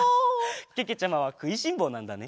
けけちゃまはくいしんぼうなんだね。